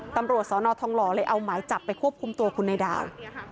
ตำรวจสอนอทองหล่อเลยเอาหมายจับไปควบคุมตัวคุณในดาว